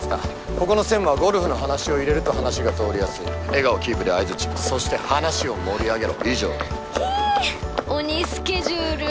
ここの専務はゴルフの話を入れると話が通りやすい笑顔キープで相槌そして話を盛り上げろ以上！